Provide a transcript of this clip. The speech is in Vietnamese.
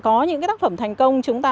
có những cái tác phẩm thành công